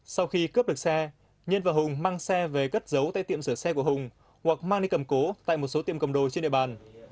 sau khi cướp được xe nhân và hùng mang xe về cất giấu tại tiệm sửa xe của hùng hoặc mang đi cầm cố tại một số tiệm cầm đồ trên địa bàn